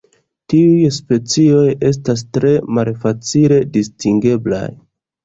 Tiuj specioj estas tre malfacile distingeblaj.